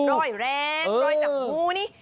ร้อยแรงร้อยจังหู้นี่